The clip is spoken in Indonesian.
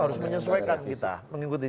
harus menyesuaikan kita